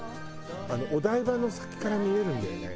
お台場の先から見えるんだよね。